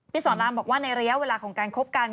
สอนรามบอกว่าในระยะเวลาของการคบกัน